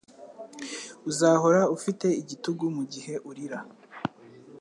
Uzahora ufite igitugu mugihe urira